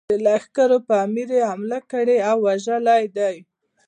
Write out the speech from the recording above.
د لښکر پر امیر یې حمله کړې او وژلی دی.